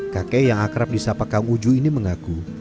kakek yang akrab di sapa kang uju ini mengaku